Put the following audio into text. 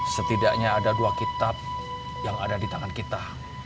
setidaknya ada dua kitab yang ada di tangan kita